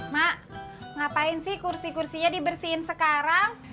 mak ngapain sih kursi kursinya dibersihin sekarang